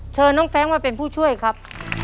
เชิญน้องแฟรงค์มาเป็นผู้ช่วยครับ